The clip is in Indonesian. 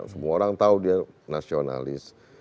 semua orang tahu dia nasionalis